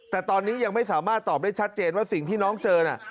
แต่ตอนนี้ยังไม่สามารถตอบได้ชัดเจนว่าสิ่งที่น้องเจอน่ะ